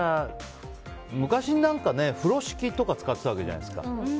昔なんか風呂敷とか使ってたわけじゃないですか。